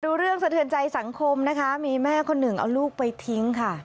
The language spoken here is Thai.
เรื่องสะเทือนใจสังคมนะคะมีแม่คนหนึ่งเอาลูกไปทิ้งค่ะ